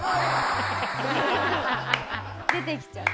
出てきちゃう。